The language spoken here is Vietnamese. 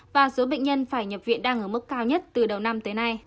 và số bệnh nhân phải nhập viện đang ở mức cao nhất từ đầu năm tới nay